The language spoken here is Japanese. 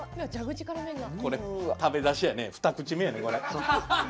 これ食べだしやね二口目やね、これ。